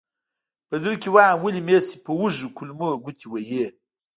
په زړه کې وایم ولې مې هسې په وږو کولمو ګوتې وهې.